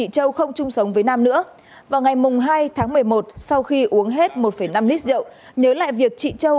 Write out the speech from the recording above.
châu không chung sống với nam nữa vào ngày hai tháng một mươi một sau khi uống hết một năm lít rượu nhớ lại việc chị châu